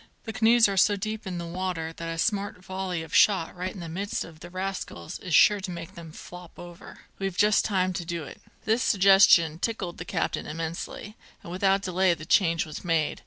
The canoes are so deep in the water that a smart volley of shot right into the midst of the rascals is sure to make them flop over. We've just time to do it." This suggestion tickled the captain immensely, and without delay the change was made.